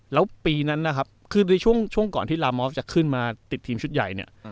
แล้วปีนั้นนะครับคือในช่วงก่อนที่ลามอฟจะขึ้นมาติดทีมชุดใหญ่เนี่ย